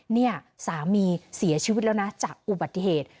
เนี่ยสามีเสียชีวิตแล้วนะจากอุบัติเหตุ